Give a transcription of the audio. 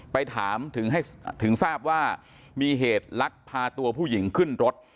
ไปถามถึงทราบว่ามีเหตุลักพาตัวผู้หญิงขึ้นรถ